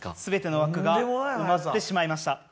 全ての枠が埋まってしまいました。